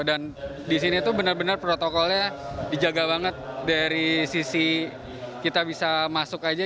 dan di sini tuh benar benar protokolnya dijaga banget dari sisi kita bisa masuk aja